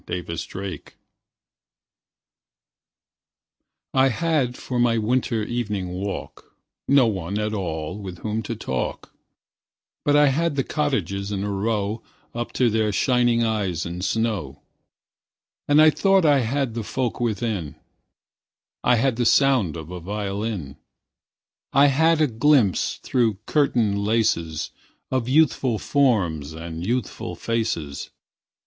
Good Hours I HAD for my winter evening walk No one at all with whom to talk, But I had the cottages in a row Up to their shining eyes in snow. And I thought I had the folk within: I had the sound of a violin; I had a glimpse through curtain laces Of youthful forms and youthful faces.